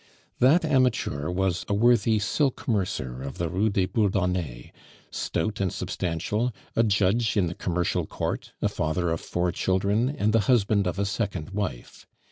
That amateur was a worthy silk mercer of the Rue des Bourdonnais, stout and substantial, a judge in the commercial court, a father of four children, and the husband of a second wife.